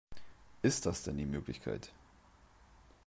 Ist das denn die Möglichkeit?